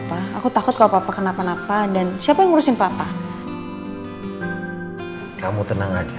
apa aku takut kalau papa kenapa napa dan siapa yang ngurusin papa kamu tenang aja